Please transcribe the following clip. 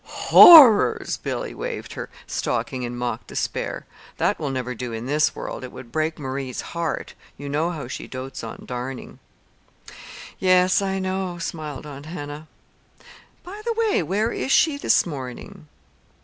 "Horrors!" Billy waved her stocking in mock despair. "That will never do in the world. It would break Marie's heart. You know how she dotes on darning." "Yes, I know," smiled Aunt Hannah. "By the way, where is she this morning?"